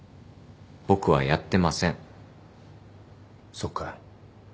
そっか。